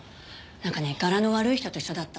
なんかねガラの悪い人と一緒だった。